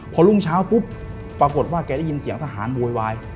พอรุ่งเช้าปุ๊บปรากฏว่าแกได้ยินเสียงทหารโวยวาย